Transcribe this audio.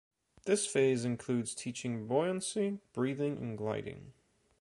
This phase includes teaching buoyancy, breathing, and gliding.